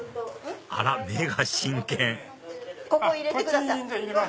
あら目が真剣ここ入れてください。